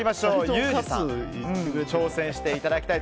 ユージさんに挑戦していただきます。